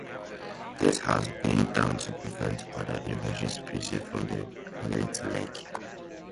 This has been done to prevent other invasive species from the Great Lakes.